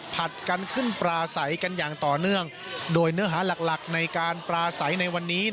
ผัดกันขึ้นปลาใสกันอย่างต่อเนื่องโดยเนื้อหาหลักหลักในการปลาใสในวันนี้